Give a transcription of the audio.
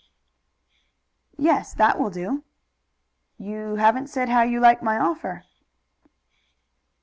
"Yes, that will do." "You haven't said how you like my offer."